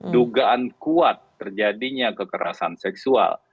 dugaan kuat terjadinya kekerasan seksual